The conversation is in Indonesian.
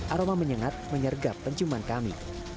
aroma menyengat menyergap penciuman kami